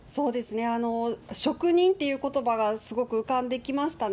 職人ということばがすごく浮かんできましたね。